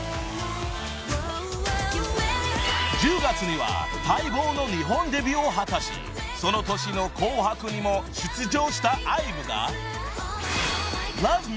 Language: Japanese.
［１０月には待望の日本デビューを果たしその年の『紅白』にも出場したＩＶＥが］